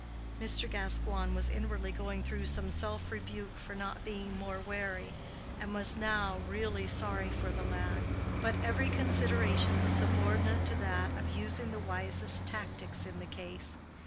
Mr. Gascoigne was inwardly going through some self rebuke for not being more wary, and was now really sorry for the lad; but every consideration was subordinate to that of using the wisest tactics in the case.